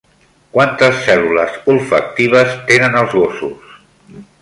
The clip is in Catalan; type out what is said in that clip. Quantes cèl·lules olfactives tenen els gossos?